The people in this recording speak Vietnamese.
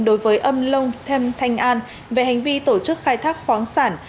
đối với ông lông thêm thanh an về hành vi tổ chức khai thác khoáng sản